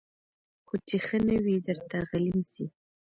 خو چي ښه نه وي درته غلیم سي